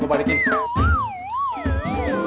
ngapain lo belum